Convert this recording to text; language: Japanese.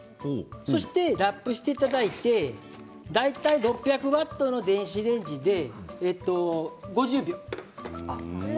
そしてラップしていただいて大体６００ワットの電子レンジで５０秒。